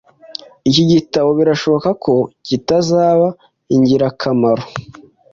Iki gitabo birashoboka ko kitazaba ingirakamaro